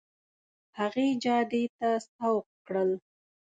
هغې جادې ته سوق کړل.